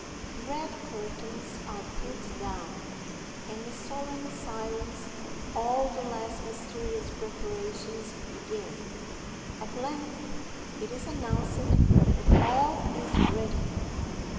The red curtains are put down, and in solemn silence all the last mysterious preparations begin. At length it is announced that all is ready.